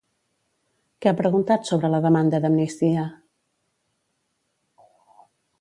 Què ha preguntat sobre la demanda d'Amnistia?